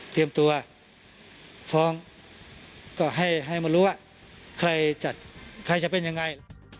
เตรียมตัวพร้อมก็ให้มารู้ว่าใครจะเป็นอย่างไร